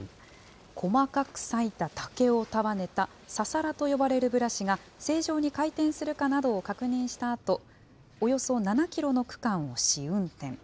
細かくさいた竹を束ねたササラと呼ばれるブラシが、正常に回転するかなどを確認したあと、およそ７キロの区間を試運転。